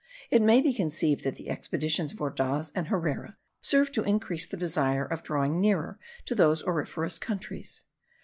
It may be conceived that the expeditions of Ordaz and Herrera served to increase the desire of drawing nearer to those auriferous countries.